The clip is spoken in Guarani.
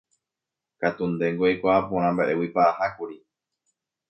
katu ndéngo eikuaa porã mba'éguipa ahákuri.